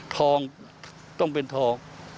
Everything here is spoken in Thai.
ทองต้องเป็นทอง